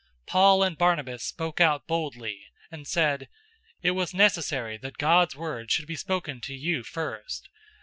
013:046 Paul and Barnabas spoke out boldly, and said, "It was necessary that God's word should be spoken to you first.